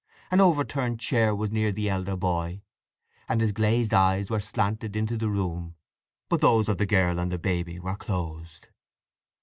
An overturned chair was near the elder boy, and his glazed eyes were slanted into the room; but those of the girl and the baby boy were closed.